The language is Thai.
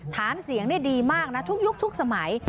ฐานเสียงได้ดีมากนะทุกยุคทุกสมัย